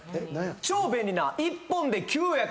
超便利な１本で９役！